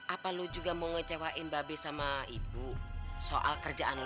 apa lo juga mau ngecewain mbak be sama ibu soal kerjaan lo ini